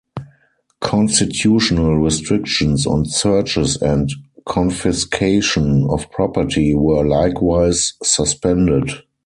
Constitutional restrictions on searches and confiscation of property were likewise suspended.